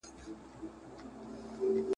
نن سبا چي څوک د ژوند پر لار ځي پلي `